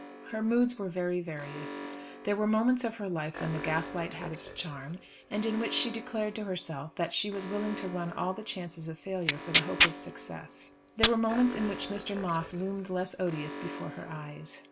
Her moods were very various. There were moments of her life when the gaslight had its charm, and in which she declared to herself that she was willing to run all the chances of failure for the hope of success. There were moments in which Mr. Moss loomed less odious before her eyes.